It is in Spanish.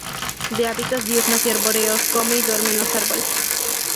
De hábitos diurnos y arbóreos, come y duerme en los árboles.